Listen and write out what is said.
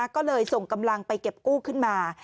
ก็เลยส่งกำลังไปเก็บกู้ขึ้นมา